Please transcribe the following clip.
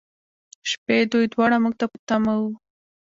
شپې، دوی دواړه موږ ته په تمه و.